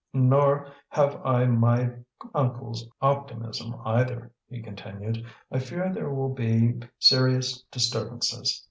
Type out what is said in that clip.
"Nor have I my uncle's optimism, either," he continued. "I fear there will be serious disturbances.